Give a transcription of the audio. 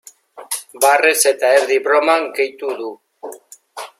Barrez eta erdi broman gehitu du.